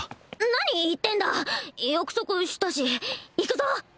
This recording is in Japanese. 何言ってんだ約束したし行くぞ！